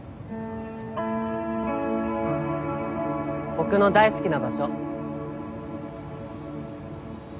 ボクの大好きな場所。